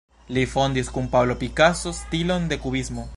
Li fondis kun Pablo Picasso stilon de kubismo.